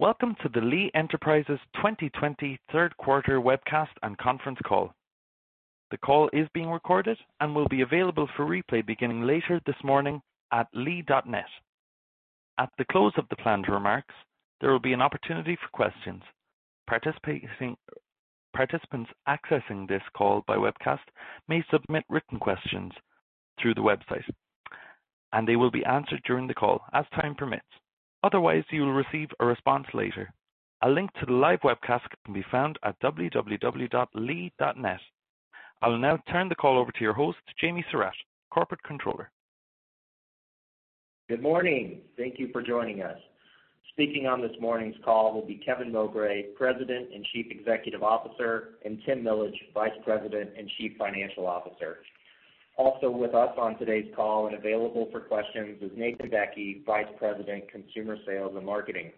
Welcome to the Lee Enterprises 2020 third quarter webcast and conference call. The call is being recorded and will be available for replay beginning later this morning at lee.net. At the close of the planned remarks, there will be an opportunity for questions. Participants accessing this call by webcast may submit written questions through the website, and they will be answered during the call as time permits. Otherwise, you will receive a response later. A link to the live webcast can be found at www.lee.net. I'll now turn the call over to your host, Jamie Serratt, Corporate Controller. Good morning. Thank you for joining us. Speaking on this morning's call will be Kevin Mowbray, President and Chief Executive Officer, and Tim Millage, Vice President and Chief Financial Officer. Also with us on today's call and available for questions is Nathan Bekke, Vice President, Consumer Sales and Marketing.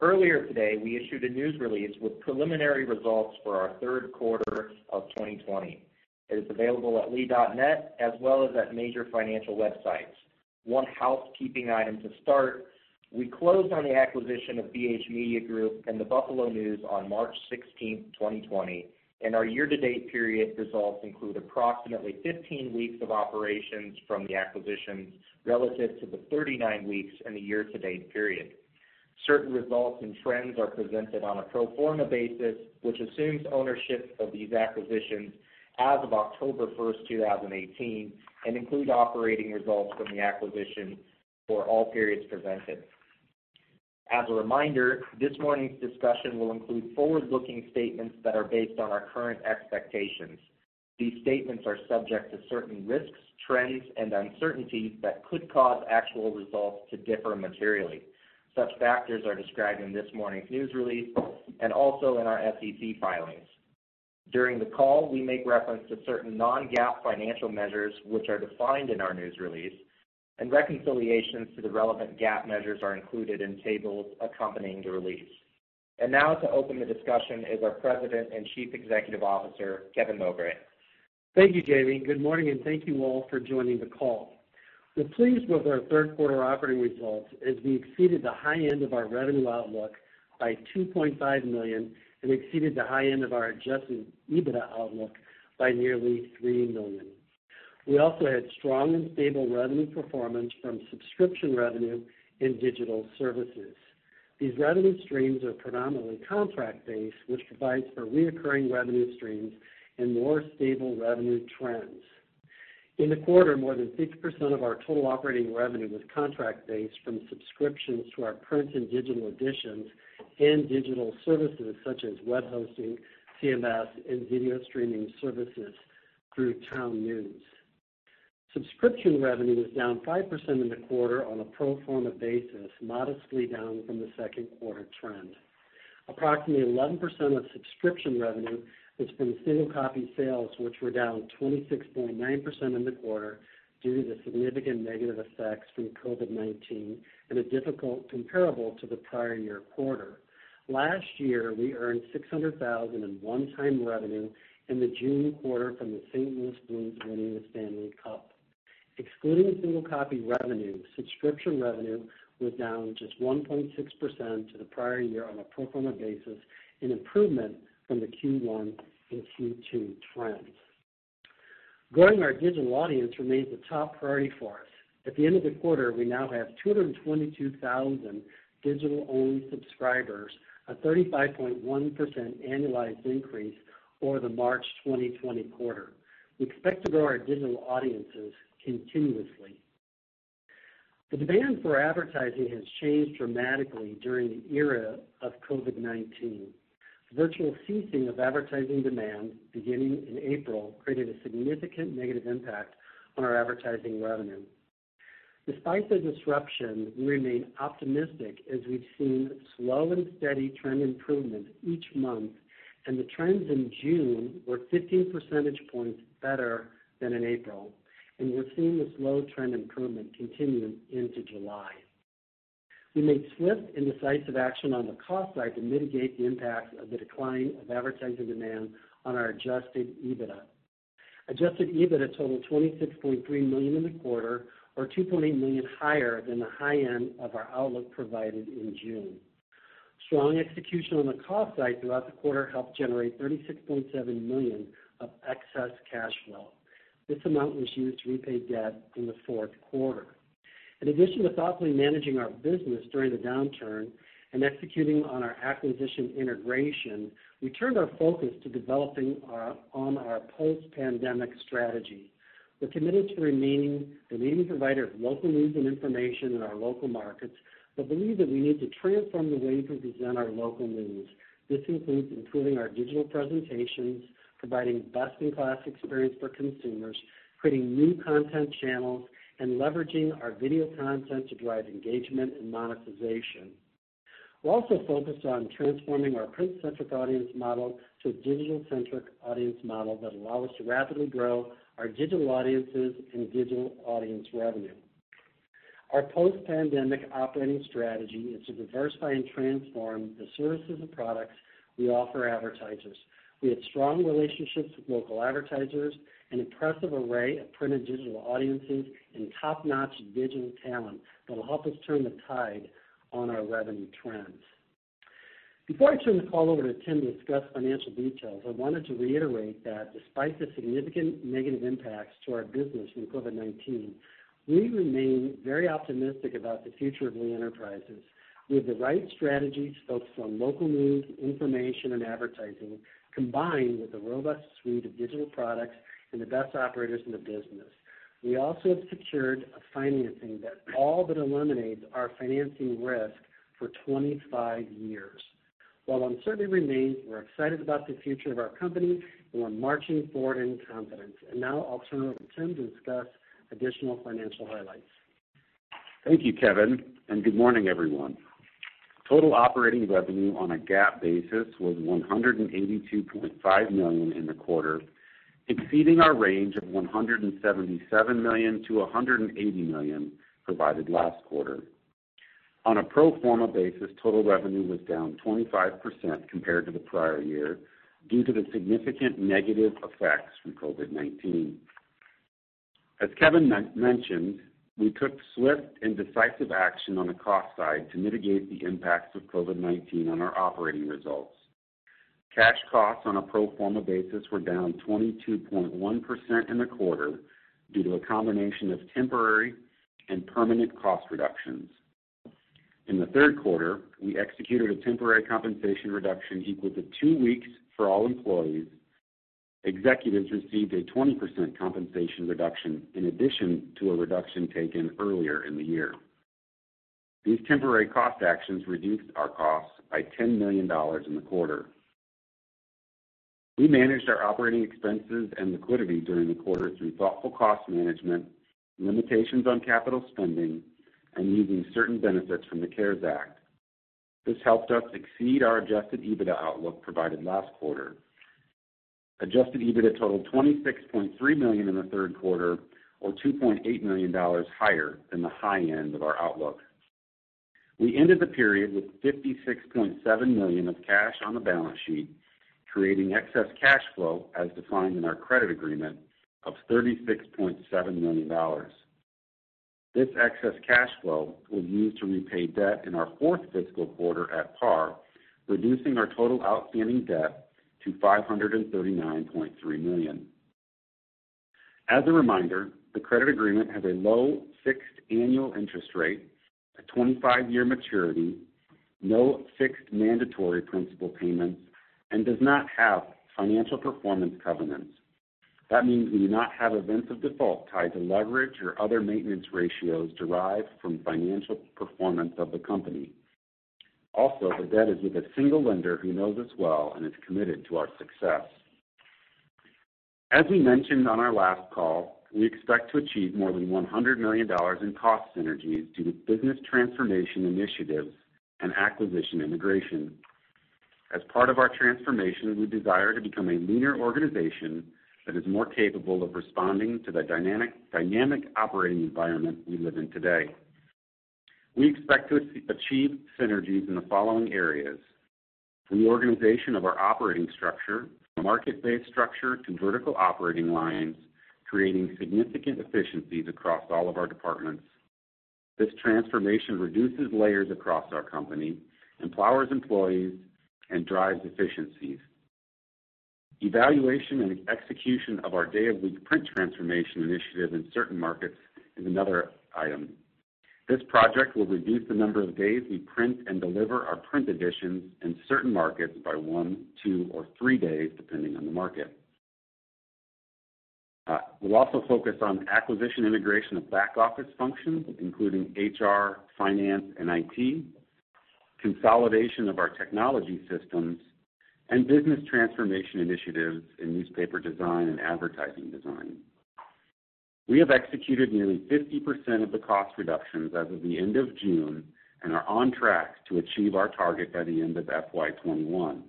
Earlier today, we issued a news release with preliminary results for our third quarter of 2020. It is available at lee.net as well as at major financial websites. One housekeeping item to start, we closed on the acquisition of BH Media Group and The Buffalo News on March 16, 2020, and our year-to-date period results include approximately 15 weeks of operations from the acquisitions relative to the 39 weeks in the year-to-date period. Certain results and trends are presented on a pro forma basis, which assumes ownership of these acquisitions as of October 1st, 2018, and include operating results from the acquisition for all periods presented. As a reminder, this morning's discussion will include forward-looking statements that are based on our current expectations. These statements are subject to certain risks, trends, and uncertainties that could cause actual results to differ materially. Such factors are described in this morning's news release and also in our SEC filings. During the call, we make reference to certain non-GAAP financial measures which are defined in our news release, and reconciliations to the relevant GAAP measures are included in tables accompanying the release. Now to open the discussion is our President and Chief Executive Officer, Kevin Mowbray. Thank you, Jamie. Good morning, and thank you all for joining the call. We're pleased with our third quarter operating results as we exceeded the high end of our revenue outlook by $2.5 million and exceeded the high end of our adjusted EBITDA outlook by nearly $3 million. We also had strong and stable revenue performance from subscription revenue and digital services. These revenue streams are predominantly contract-based, which provides for reoccurring revenue streams and more stable revenue trends. In the quarter, more than 60% of our total operating revenue was contract-based from subscriptions to our print and digital editions and digital services such as web hosting, CMS, and video streaming services through TownNews. Subscription revenue was down 5% in the quarter on a pro forma basis, modestly down from the second quarter trend. Approximately 11% of subscription revenue was from single copy sales, which were down 26.9% in the quarter due to the significant negative effects from COVID-19 and a difficult comparable to the prior year quarter. Last year, we earned $600,000 in one-time revenue in the June quarter from the St. Louis Blues winning the Stanley Cup. Excluding single-copy revenue, subscription revenue was down just 1.6% to the prior year on a pro forma basis, an improvement from the Q1 and Q2 trends. Growing our digital audience remains a top priority for us. At the end of the quarter, we now have 222,000 digital-only subscribers, a 35.1% annualized increase over the March 2020 quarter. We expect to grow our digital audiences continuously. The demand for advertising has changed dramatically during the era of COVID-19. The virtual ceasing of advertising demand beginning in April created a significant negative impact on our advertising revenue. Despite the disruption, we remain optimistic as we've seen slow and steady trend improvement each month, and the trends in June were 15 percentage points better than in April, and we're seeing the slow trend improvement continuing into July. We made swift and decisive action on the cost side to mitigate the impact of the decline of advertising demand on our adjusted EBITDA. Adjusted EBITDA totaled $26.3 million in the quarter, or $2.8 million higher than the high end of our outlook provided in June. Strong execution on the cost side throughout the quarter helped generate $36.7 million of excess cash flow. This amount was used to repay debt in the fourth quarter. In addition to thoughtfully managing our business during the downturn and executing on our acquisition integration, we turned our focus to developing on our post-pandemic strategy. We're committed to remaining the leading provider of local news and information in our local markets, but believe that we need to transform the way we present our local news. This includes improving our digital presentations, providing best-in-class experience for consumers, creating new content channels, and leveraging our video content to drive engagement and monetization. We're also focused on transforming our print-centric audience model to a digital-centric audience model that allow us to rapidly grow our digital audiences and digital audience revenue. Our post-pandemic operating strategy is to diversify and transform the services and products we offer advertisers. We have strong relationships with local advertisers, an impressive array of print and digital audiences, and top-notch digital talent that will help us turn the tide on our revenue trends. Before I turn the call over to Tim to discuss financial details, I wanted to reiterate that despite the significant negative impacts to our business from COVID-19, we remain very optimistic about the future of Lee Enterprises. We have the right strategy focused on local news, information, and advertising, combined with a robust suite of digital products and the best operators in the business. We also have secured financing that all but eliminates our financing risk for 25 years. While uncertainty remains, we're excited about the future of our company, and we're marching forward in confidence. Now I'll turn it over to Tim to discuss additional financial highlights. Thank you, Kevin, and good morning, everyone. Total operating revenue on a GAAP basis was $182.5 million in the quarter, exceeding our range of $177 million-$180 million provided last quarter. On a pro forma basis, total revenue was down 25% compared to the prior year due to the significant negative effects from COVID-19. As Kevin mentioned, we took swift and decisive action on the cost side to mitigate the impacts of COVID-19 on our operating results. Cash costs on a pro forma basis were down 22.1% in the quarter due to a combination of temporary and permanent cost reductions. In the third quarter, we executed a temporary compensation reduction equal to two weeks for all employees. Executives received a 20% compensation reduction in addition to a reduction taken earlier in the year. These temporary cost actions reduced our costs by $10 million in the quarter. We managed our operating expenses and liquidity during the quarter through thoughtful cost management, limitations on capital spending, and using certain benefits from the CARES Act. This helped us exceed our adjusted EBITDA outlook provided last quarter. Adjusted EBITDA totaled $26.3 million in the third quarter, or $2.8 million higher than the high end of our outlook. We ended the period with $56.7 million of cash on the balance sheet, creating excess cash flow, as defined in our credit agreement, of $36.7 million. This excess cash flow was used to repay debt in our fourth fiscal quarter at par, reducing our total outstanding debt to $539.3 million. As a reminder, the credit agreement has a low fixed annual interest rate, a 25 year maturity, no fixed mandatory principal payments, and does not have financial performance covenants. That means we do not have events of default tied to leverage or other maintenance ratios derived from financial performance of the company. Also, the debt is with a single lender who knows us well and is committed to our success. As we mentioned on our last call, we expect to achieve more than $100 million in cost synergies due to business transformation initiatives and acquisition integration. As part of our transformation, we desire to become a leaner organization that is more capable of responding to the dynamic operating environment we live in today. We expect to achieve synergies in the following areas: reorganization of our operating structure from market-based structure to vertical operating lines, creating significant efficiencies across all of our departments. This transformation reduces layers across our company, empowers employees, and drives efficiencies. Evaluation and execution of our Day of Week Print Transformation Initiative in certain markets is another item. This project will reduce the number of days we print and deliver our print editions in certain markets by one, two, or three days, depending on the market. We'll also focus on acquisition integration of back office functions, including HR, finance, and IT, consolidation of our technology systems, and business transformation initiatives in newspaper design and advertising design. We have executed nearly 50% of the cost reductions as of the end of June and are on track to achieve our target by the end of FY '21.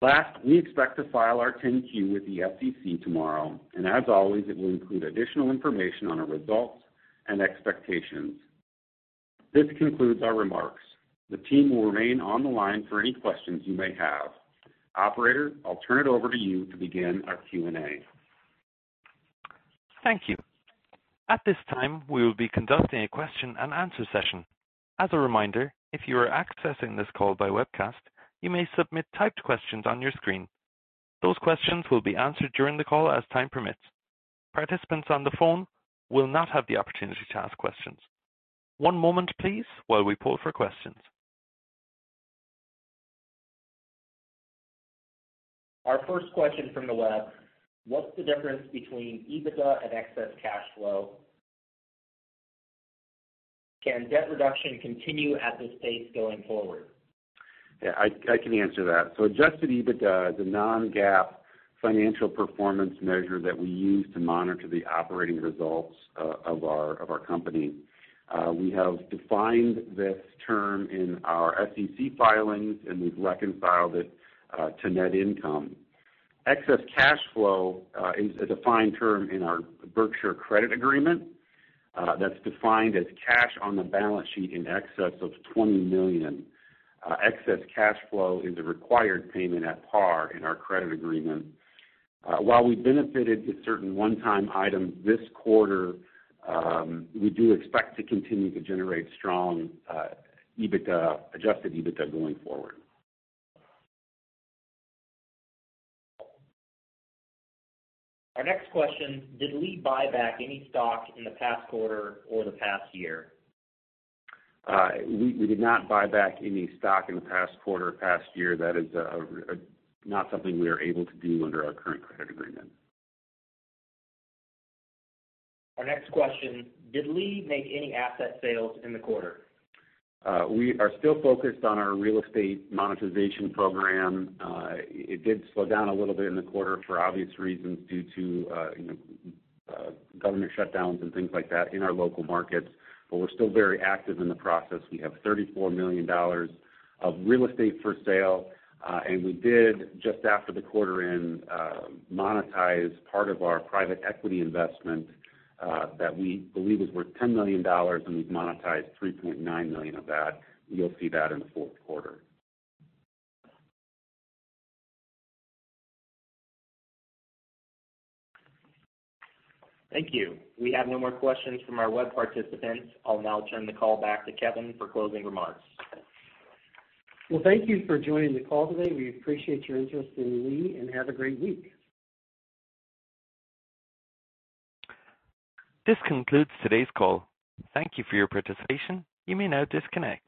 Last, we expect to file our 10-Q with the SEC tomorrow, and as always, it will include additional information on our results and expectations. This concludes our remarks. The team will remain on the line for any questions you may have. Operator, I'll turn it over to you to begin our Q&A. Thank you. At this time, we will be conducting a question and answer session. As a reminder, if you are accessing this call by webcast, you may submit typed questions on your screen. Those questions will be answered during the call as time permits. Participants on the phone will not have the opportunity to ask questions. One moment, please, while we poll for questions. Our first question from the web: What's the difference between EBITDA and excess cash flow? Can debt reduction continue at this pace going forward? Yeah, I can answer that. Adjusted EBITDA is a non-GAAP financial performance measure that we use to monitor the operating results of our company. We have defined this term in our SEC filings, and we've reconciled it to net income. Excess cash flow is a defined term in our Berkshire credit agreement that's defined as cash on the balance sheet in excess of $20 million. Excess cash flow is a required payment at par in our credit agreement. While we benefited with certain one-time items this quarter, we do expect to continue to generate strong adjusted EBITDA going forward. Our next question: did Lee buy back any stock in the past quarter or the past year? We did not buy back any stock in the past quarter or past year. That is not something we are able to do under our current credit agreement. Our next question: did Lee make any asset sales in the quarter? We are still focused on our real estate monetization program. It did slow down a little bit in the quarter for obvious reasons due to government shutdowns and things like that in our local markets, but we're still very active in the process. We have $34 million of real estate for sale, and we did just after the quarter end monetize part of our private equity investment that we believe is worth $10 million, and we've monetized $3.9 million of that. You'll see that in the fourth quarter. Thank you. We have no more questions from our web participants. I'll now turn the call back to Kevin for closing remarks. Well, thank you for joining the call today. We appreciate your interest in Lee. Have a great week. This concludes today's call. Thank you for your participation. You may now disconnect.